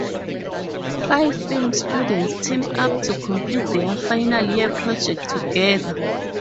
Five film students team up to complete their final year project together.